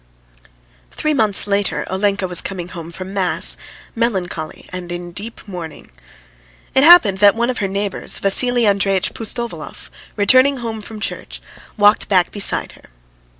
Three months later Olenka was coming home from mass, melancholy and in deep mourning. It happened that one of her neighbours, Vassily Andreitch Pustovalov, returning home from church, walked back beside her.